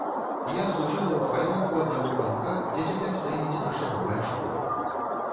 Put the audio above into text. Я служыла ў фальварку аднаго панка, дзе цяпер стаіць наша новая школа.